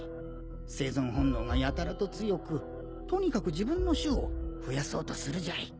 生存本能がやたらと強くとにかく自分の種を増やそうとするじゃい。